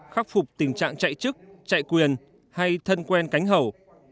khắc phục tình trạng chạy chức chạy quyền hay thân quen cánh hậu